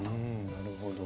なるほど。